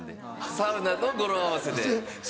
サウナの語呂合わせで。